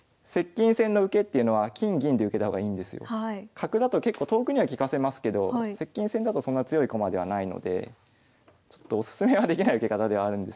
角だと結構遠くには利かせますけど接近戦だとそんな強い駒ではないのでちょっとオススメはできない受け方ではあるんですけど。